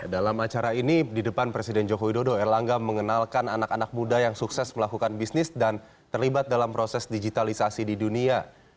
dalam acara ini di depan presiden joko widodo erlangga mengenalkan anak anak muda yang sukses melakukan bisnis dan terlibat dalam proses digitalisasi di dunia